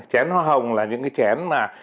chén hoa hồng là những cái chén mà